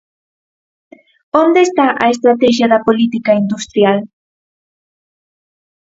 ¿Onde está a estratexia da política industrial?